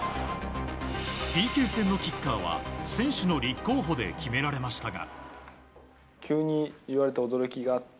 ＰＫ戦のキッカーは、選手の立候補で決められましたが。